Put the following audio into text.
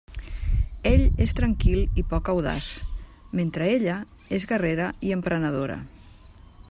Ell és tranquil i poc audaç, mentre ella és guerrera i emprenedora.